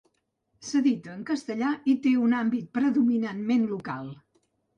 S'edita en castellà i té un àmbit predominantment local.